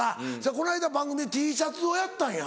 この間番組でＴシャツをやったんや。